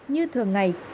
như thường ngày